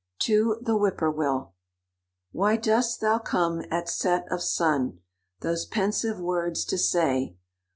TO THE WHIP POOR WILL. "Why dost thou come at set of sun, Those pensive words to say?